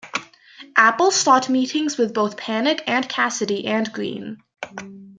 Apple sought meetings with both Panic and Casady and Greene.